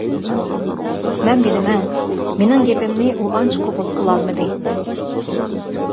مەن بىلىمەن، مېنىڭ گېپىمنى، ئۇ ئانچە قوبۇل قىلالمىدى.